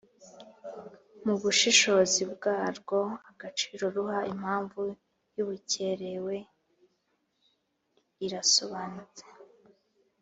Mu bushishozi bwarwo agaciro ruha impamvu y’ubukererwe irasobanutse